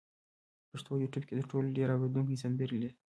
پښتو یوټیوب کې تر ټولو ډېر اورېدونکي سندرې لري.